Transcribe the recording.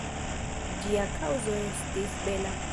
Ĝia kaŭzo estis bela.